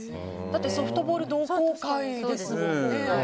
だってソフトボール同好会ですもんね。